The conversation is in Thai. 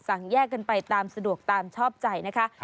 แยกกันไปตามสะดวกตามชอบใจนะคะ